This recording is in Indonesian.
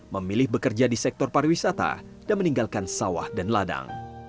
memilih bekerja di sektor pariwisata dan meninggalkan sawah dan ladang